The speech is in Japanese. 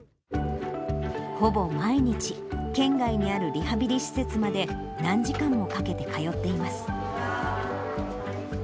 ほぼ毎日、県外にあるリハビリ施設まで何時間もかけて通っています。